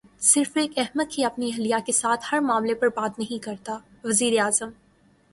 صرف ایک احمق ہی اپنی اہلیہ کے ساتھ ہر معاملے پر بات نہیں کرتا وزیراعظم